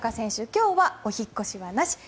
今日はお引っ越しはなし。